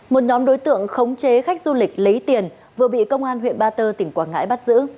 một nhóm đối tượng khống chế khách du lịch lấy tiền vừa bị công an huyện ba tơ tỉnh quảng ngãi bắt giữ